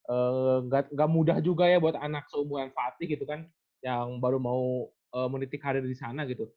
enggak mudah juga ya buat anak seumuran fatih gitu kan yang baru mau menitik hadir di sana gitu